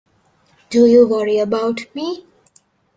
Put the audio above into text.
Do you worry about me?